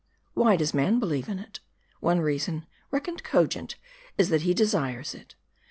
Why does man believe in it ? One reason, reckoned cogent, is, that he desires it.